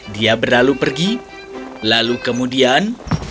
dia berlalu pergi lalu kemudian